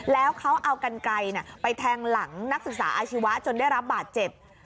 แล้วเขาเอากันไกลไปแทงหลังนักศึกษาอาชีวะจนได้รับบาดเจ็บ